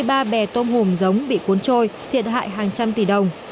hai mươi ba bè tôm hùm giống bị cuốn trôi thiệt hại hàng trăm tỷ đồng